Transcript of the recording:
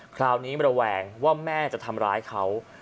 คราวนี้ระแวงว่าแม่จะทำร้ายเขา